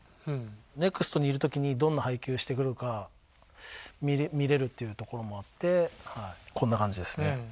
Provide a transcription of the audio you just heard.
ネクストにいる時にどんな配球してくるか見れるっていうところもあってこんな感じですね。